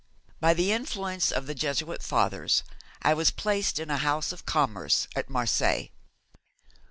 By the influence of the Jesuit Fathers I was placed in a house of commerce at Marseilles.